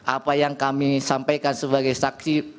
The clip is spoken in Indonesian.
apa yang kami sampaikan sebagai saksi